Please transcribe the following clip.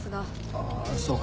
ああそうか。